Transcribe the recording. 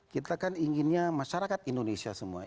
kita kan inginnya masyarakat indonesia semua